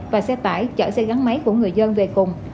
và xe tải chở xe gắn máy của người dân về cùng